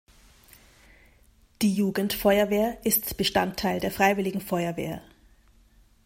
Die Jugendfeuerwehr ist Bestandteil der Freiwilligen Feuerwehr.